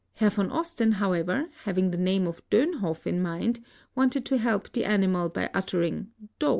Herr von Osten, however, having the name Doenhof In mind, wainted to help the aniasal by uttering " Do."